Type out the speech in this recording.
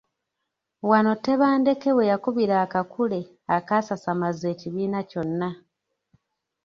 Wano Tebandeke we yakubira akakule akaasasamaza ekibiina kyonna.